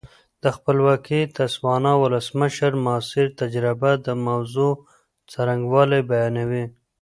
د خپلواکې تسوانا ولسمشر ماسیر تجربه د موضوع څرنګوالی بیانوي.